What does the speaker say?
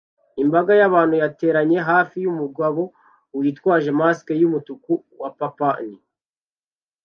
Imbaga y'abantu yateraniye hafi yumugabo witwaje mask yumutuku wapapani